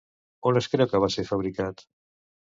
On es creu que va ser fabricat?